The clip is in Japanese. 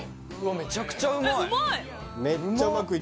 めちゃくちゃうまいうまい！